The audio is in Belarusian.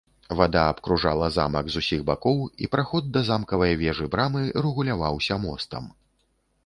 Вада абкружала замак з усіх бакоў і праход да замкавай вежы-брамы рэгуляваўся мостам.